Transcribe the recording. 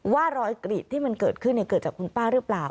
ว่ารอยกรีดที่มันเกิดขึ้นเกิดจากคุณป้าหรือเปล่า